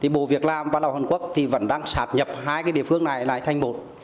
bộ việc làm và lao động hàn quốc vẫn đang sạt nhập hai địa phương này lại thành một